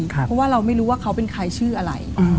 เพราะว่าเราไม่รู้ว่าเขาเป็นใครชื่ออะไร